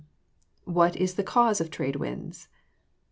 _What is the cause of trade winds?